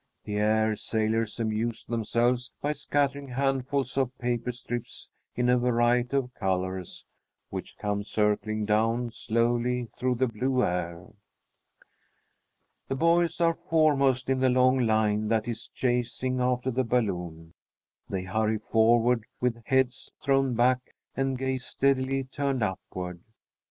The air sailors amuse themselves by scattering handfuls of paper strips in a variety of colors, which come circling down slowly through the blue air. The boys are foremost in the long line that is chasing after the balloon. They hurry forward, with heads thrown back, and gaze steadily turned upward.